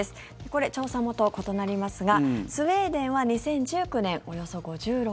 これ、調査元が異なりますがスウェーデンは２０１９年およそ５６％。